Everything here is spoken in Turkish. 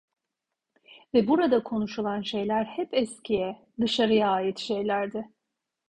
Ve burada konuşulan şeyler hep eskiye, dışarıya ait şeylerdi.